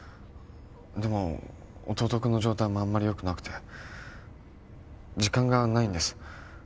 でも弟君の状態もあんまり良くなくて時間がないんです